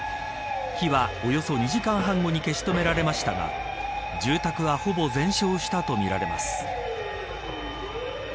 火はおよそ２時間半後に消し止められましたが住宅はほぼ全焼したとみられます。